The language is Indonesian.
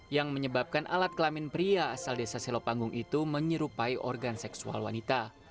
yang menyebabkan alat kelamin pria asal desa selopanggung itu menyerupai organ seksual wanita